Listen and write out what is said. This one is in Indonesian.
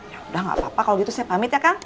ya udah gak apa apa kalau gitu saya pamit ya kang